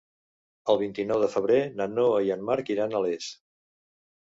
El vint-i-nou de febrer na Noa i en Marc iran a Les.